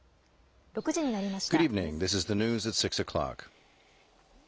６時になりました。